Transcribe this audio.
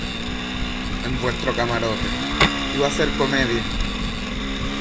en vuestro camarote. iba a ser comedia